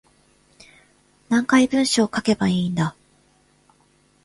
何回文章書けばいいんだ